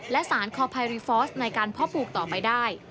และสารคอไพรีฟอร์สในการเพาะปลูกต่อไปได้